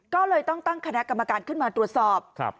ก็เลยต้องตั้งคณะกรรมการขึ้นมาตรวจสอบ